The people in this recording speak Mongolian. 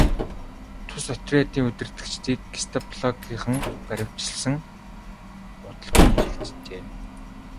Тус отрядын удирдагчдыг гестапогийнхан баривчилсан нь удалгүй мэдэгджээ.